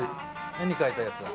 絵に描いたやつだ。